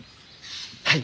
はい。